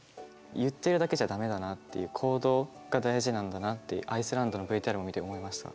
言ってるだけじゃ駄目だなっていう行動が大事なんだなってアイスランドのＶＴＲを見て思いました。